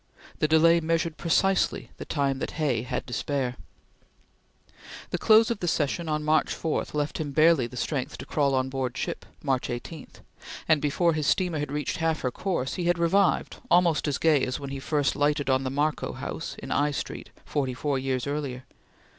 The delay measured precisely the time that Hay had to spare. The close of the Session on March 4 left him barely the strength to crawl on board ship, March 18, and before his steamer had reached half her course, he had revived, almost as gay as when he first lighted on the Markoe house in I Street forty four years earlier.